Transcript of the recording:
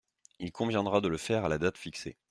Il conviendra de le faire à la date fixée.